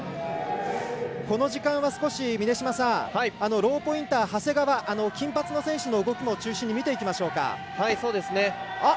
この時間は少し、峰島さんローポインター・長谷川金髪の選手の動きを中心に見ていきましょうか。